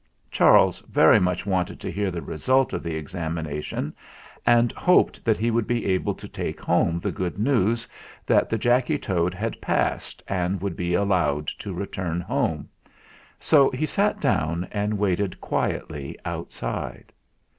Charles very much wanted to hear the result of the examination, and hoped that he would be able to take home the 232 THE FLINT HEART good news that the Jacky Toad had passed and would be allowed to return home. So he sat down and waited quietly outside.